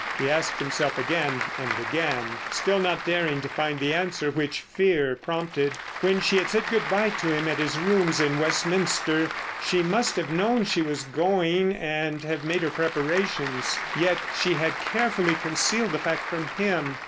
he asked himself again and again, still not daring to find the answer which fear prompted. When she had said good bye to him at his rooms in Westminster she must have known she was going and have made her preparations. Yet she had carefully concealed the fact from him.